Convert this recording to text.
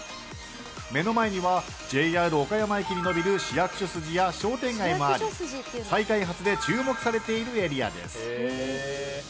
目の前にはＪＲ岡山駅に延びる市役所筋や商店街もあり再開発で注目されているエリアです。